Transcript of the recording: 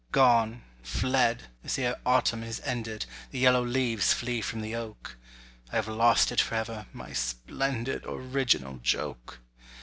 Gone, fled, as ere autumn is ended The yellow leaves flee from the oak— I have lost it for ever, my splendid Original joke.